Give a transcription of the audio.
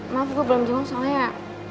maaf gue belum jempol soalnya